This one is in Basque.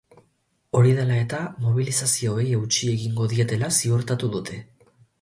Hori dela eta, mobilizazioei eutsi egingo dietela ziurtatu dute.